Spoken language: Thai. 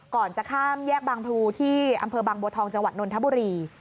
ก่อนจะข้ามแยกบางพลูที่อำเภอบางบัวทองจังหวัดนนทบุรี